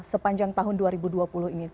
sepanjang tahun dua ribu dua puluh ini